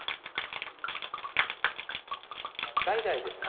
代々ですね